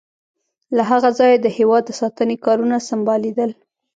له هغه ځایه د هېواد د ساتنې کارونه سمبالیدل.